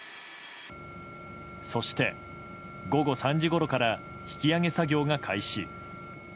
そして、午後３時ごろから引き揚げ作業が開始。